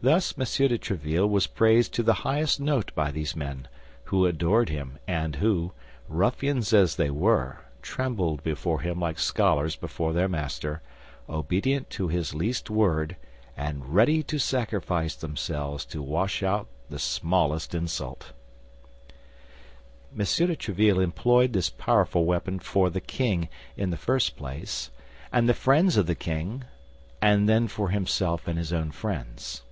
Thus M. de Tréville was praised to the highest note by these men, who adored him, and who, ruffians as they were, trembled before him like scholars before their master, obedient to his least word, and ready to sacrifice themselves to wash out the smallest insult. M. de Tréville employed this powerful weapon for the king, in the first place, and the friends of the king—and then for himself and his own friends.